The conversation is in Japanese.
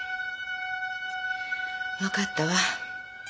わかったわ。